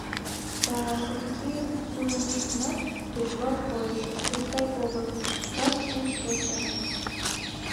Да содыки нылыньыштынат тӱжвал койышышт икгай огыл: кажныжын шке семын.